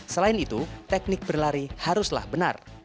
selain itu teknik berlari haruslah benar